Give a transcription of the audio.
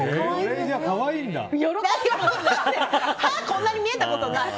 こんなに見えたことない！